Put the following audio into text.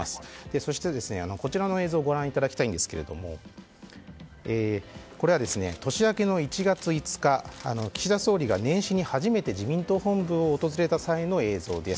そして、こちらの映像をご覧いただきたいんですがこれは年明けの１月５日岸田総理が年始に初めて自民党本部を訪れた際の映像です。